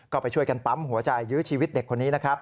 ก็ไปช่วยกันปั๊มหัวใจยื้อชีวิตเด็กคนนี้นะครับ